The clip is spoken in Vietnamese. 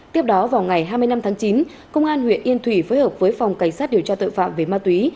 tiếp đó vào ngày hai mươi năm tháng chín công an huyện yên thủy phối hợp với phòng cảnh sát điều tra tội phạm về ma túy